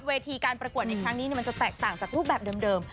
เวทีการประกวดในครั้งนี้มันจะแตกต่างจากรูปแบบเดิม